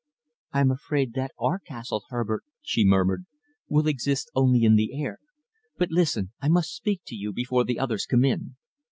"I am afraid that our castle, Herbert," she murmured, "will exist only in the air! But listen. I must speak to you before the others come in."